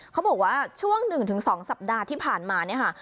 เขาบอกว่าช่วง๑๒สัปดาห์ที่ผ่านมาเนี่ยค่ะ